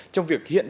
trong việc hiện đại